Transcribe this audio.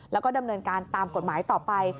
แล้วก็ดำเนินการตามกฎหมายต่อไป